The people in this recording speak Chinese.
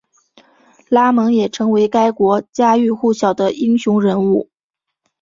拉蒙也成为该国家喻户晓的英雄人物。